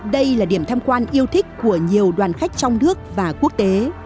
đây là điểm tham quan yêu thích của nhiều đoàn khách trong nước và quốc tế